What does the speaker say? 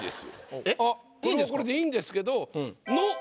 これはこれでいいんですけど「の」